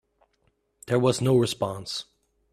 There was no response.